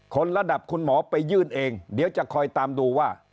ระดับคุณหมอไปยื่นเองเดี๋ยวจะคอยตามดูว่า